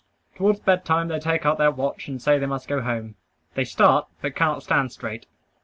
Towards bed time they take out their watch and say they must go home. They start, but cannot stand straight.